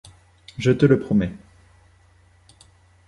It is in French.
Je te le promets.